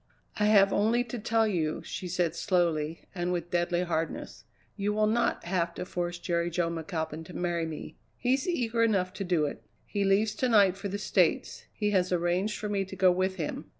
"I have only to tell you," she said slowly and with deadly hardness, "you will not have to force Jerry Jo McAlpin to marry me; he's eager enough to do it. He leaves to night for the States; he has arranged for me to go with him."